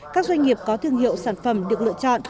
các doanh nghiệp có thương hiệu sản phẩm được lựa chọn